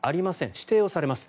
指定をされます。